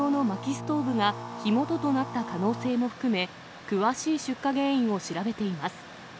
ストーブが火元となった可能性も含め、詳しい出火原因を調べています。